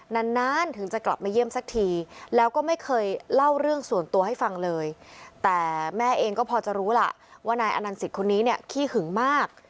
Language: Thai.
นานนานถึงจะกลับมาเยี่ยมสักทีแล้วก็ไม่เคยเล่าเรื่องส่วนตัวให้ฟังเลยแต่แม่เองก็พอจะรู้ล่ะว่านายอนันสิตคนนี้เนี่ยขี้หึงมาก